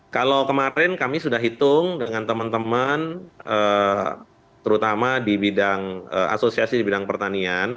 kalau kemarin kami sudah hitung dengan teman teman terutama di bidang asosiasi di bidang pertanian